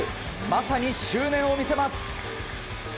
まさに執念を見せます。